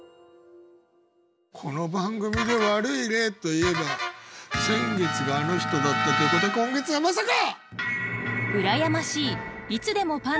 この番組で悪い例といえば先月があの人だったということは今月はまさか！